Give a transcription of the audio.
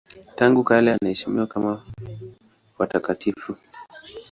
Tangu kale anaheshimiwa kama watakatifu.